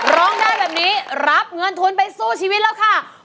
ร้องได้แบบนี้รับเงินทุนไปสู้ชีวิตแล้วค่ะ